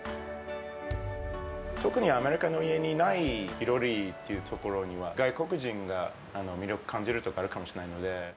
特にアメリカの家にない囲炉裏というところには、外国人が魅力感じるところあるかもしれないので。